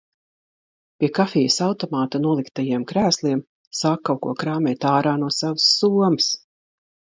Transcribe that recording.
Pie kafijas automāta noliktajiem krēsliem sāk kaut ko krāmēt ārā no savas somas.